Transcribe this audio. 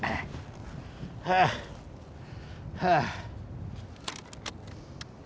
はあはあ。